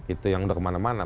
itu yang udah kemana mana